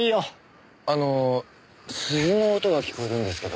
あの鈴の音が聞こえるんですけど。